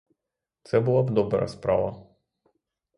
Це була б добра справа.